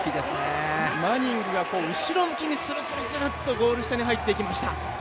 マニングが後ろ向きにするするするっとゴール下に入っていきました。